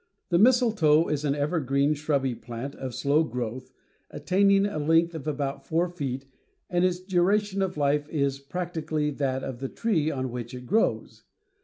The mistletoe is an evergreen shrubby plant of slow growth, attaining a length of about four feet and its duration of life is practically that of the tree on which it grows.